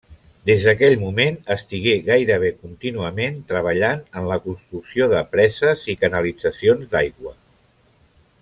Des d'aquell moment estigué gairebé contínuament treballant en la construcció de preses i canalitzacions d'aigua.